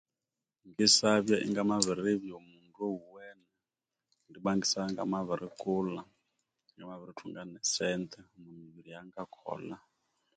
Ngindi sabya ingamabiribya omundu oyuwene kundi ibwa ngendisabya ingamabirikulha ingamabirithunga nesyosent omwamibiri eyongakolha